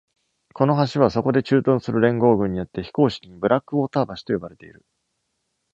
この橋は、そこで駐屯する連合軍によって、非公式に「ブラックウォーター橋」と呼ばれている。